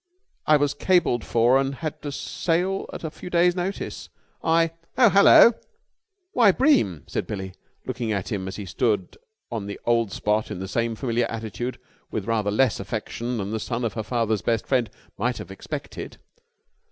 I was cabled for and had to sail at a few days' notice. I...." "Oh, hello!" "Why, Bream!" said Billie, looking at him as he stood on the old spot in the same familiar attitude with rather less affection than the son of her father's best friend might have expected.